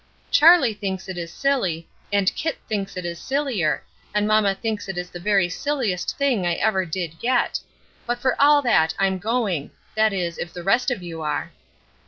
"Charlie thinks it is silly, and Kit thinks it is sillier, and mamma thinks it is the very silliest thing I ever did yet; but for all that I am going that is, if the rest of you are."